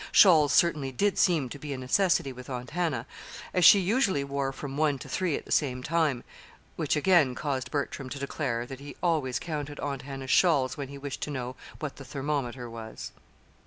Shawls, certainly, did seem to be a necessity with Aunt Hannah, as she usually wore from one to three at the same time which again caused Bertram to declare that he always counted Aunt Hannah's shawls when he wished to know what the thermometer was.